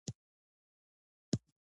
خو د دې ګټې ساتل ورته ستونزمن کار دی